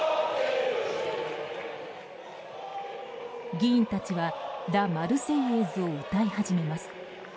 議員たちは「ラ・マルセイエーズ」を歌い始めます。